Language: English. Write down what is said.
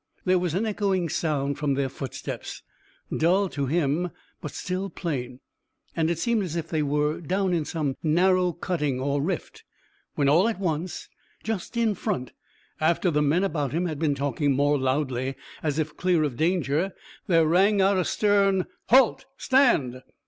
There was an echoing sound from their footsteps, dull to him, but still plain, and it seemed as if they were down in some narrow cutting or rift, when all at once! Just in front, after the men about him had been talking more loudly, as if clear of danger, there rang out a stern "Halt stand!"